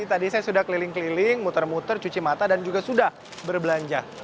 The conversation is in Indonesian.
tadi saya sudah keliling keliling muter muter cuci mata dan juga sudah berbelanja